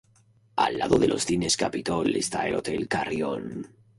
Al lado de los Cines Capitol está el hotel Carrión.